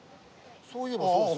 そういえばそうですね。